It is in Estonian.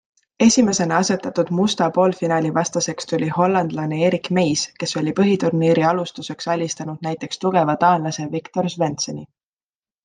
Esimesena asetatud Musta poolfinaalivastaseks tuli hollandlane Erik Meijs, kes oli põhiturniiri alustuseks alistanud näiteks tugeva taanlase Victor Svendseni.